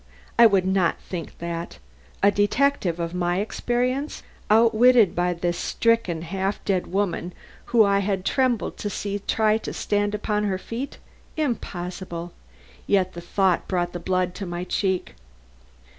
I would not think that! A detective of my experience outwitted by this stricken, half dead woman whom I had trembled to see try to stand upon her feet? Impossible! Yet the thought brought the blood to my cheek.